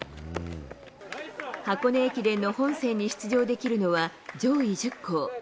箱根駅伝の本戦に出場できるのは上位１０校。